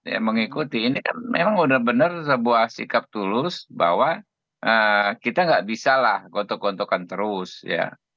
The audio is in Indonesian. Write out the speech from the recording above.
ya mengikuti ini memang benar benar sebuah sikap tulus bahwa kita nggak bisa lah gotok gontokan terus ya